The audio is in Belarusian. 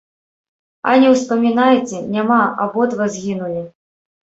А не ўспамінайце, няма, абодва згінулі.